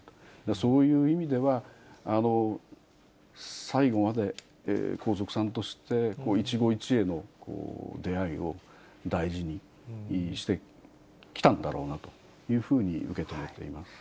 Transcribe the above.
そういう意味では、最後まで皇族さんとして一期一会の出会いを大事にしてきたんだろうなというふうに受け止めています。